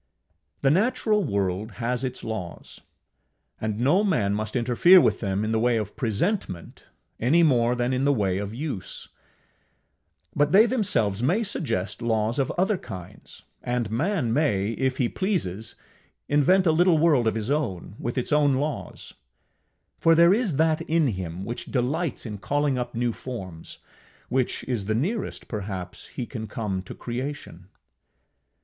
The natural world has its laws, and no man must interfere with them in the way of presentment any more than in the way of use; but they themselves may suggest laws of other kinds, and man may, if he pleases, invent a little world of his own, with its own laws; for there is that in him which delights in calling up new forms which is the nearest, perhaps, he can come to creation.